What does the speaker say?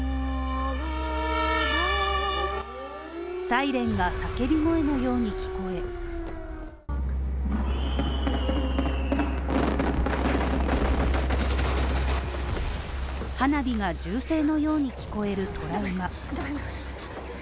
サイレンが叫び声のように聞こえ花火が銃声のように聞こえるトラウマ